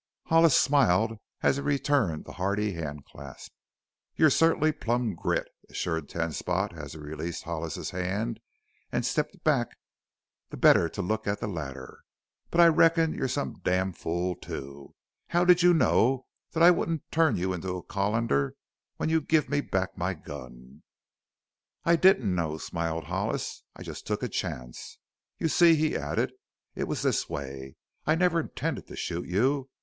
Hollis smiled as he returned the hearty handclasp. "You're cert'nly plum grit," assured Ten Spot as he released Hollis's hand and stepped back the better to look at the latter. "But I reckon you're some damn fool too. How did you know that I wouldn't turn you into a colander when you give me back my gun?" "I didn't know," smiled Hollis. "I just took a chance. You see," he added, "it was this way. I never intended to shoot you.